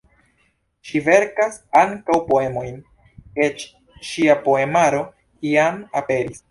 Ŝi verkas ankaŭ poemojn, eĉ ŝia poemaro jam aperis.